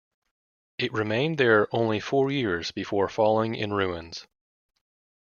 It remained there only four years before falling in ruins.